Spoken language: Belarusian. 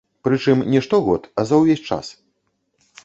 Прычым не штогод, а за ўвесь час.